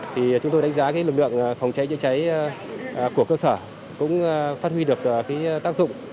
thì chúng tôi đánh giá lực lượng phòng cháy chữa cháy của cơ sở cũng phát huy được tác dụng